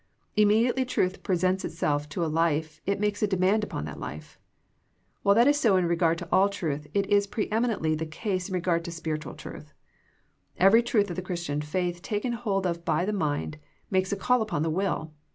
Immediately truth presents itself to a life it makes a demand upon that life. While that is so in regard to all truth it is preeminently the case in regard to spiritual truth. Every truth of the Christian faith taken hold of by the mind makes a call upon the will.